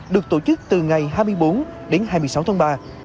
được tổ chức từ ngày hai mươi bốn đến hai mươi sáu tháng ba